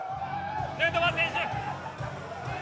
ヌートバー選手。